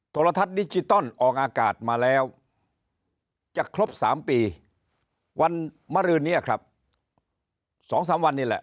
โทรทัศน์ดิจิตอลออกอากาศมาแล้วจะครบ๓ปีวันมารืนนี้ครับ๒๓วันนี้แหละ